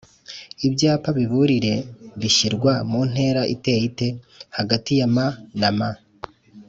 Ibyapa biburire bishyirwa muntera iteye ite?hagati ya m na m